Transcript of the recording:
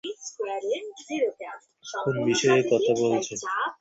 কোন বিষয়ে কথা বলছেন?